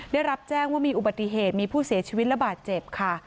ได้รับแจ้งว่ามีอุบัติเหตุมีผู้เสียชีวิตระบาดเจ็บค่ะ